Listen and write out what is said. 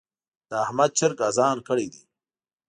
د احمد چرګ اذان کړی دی.